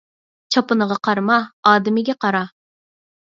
چاپىنىغا قارىما، ئادىمىگە قارا